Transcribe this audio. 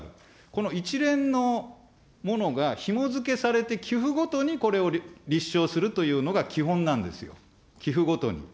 この一連のものがひも付けされて、寄付ごとにこれを立証するというのが基本なんですよ、寄付ごとに。